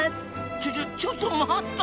ちょちょちょっと待った！